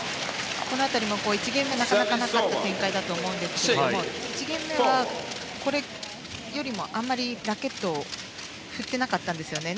この辺りも１ゲーム目はなかなかなかった展開だと思いますが１ゲーム目はこれよりもあんまりラケットを振っていなかったんですよね。